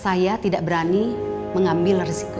saya tidak berani mengambil resiko